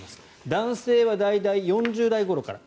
男性は大体４０代ごろから